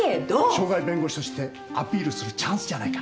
渉外弁護士としてアピールするチャンスじゃないか。